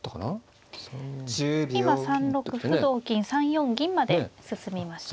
今３六歩同金３四銀まで進みましたね。